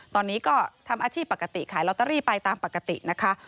ตอนนี้ก็ทำอาชีพปกติขายลอตเตอรี่ไปตามปกตินะคะ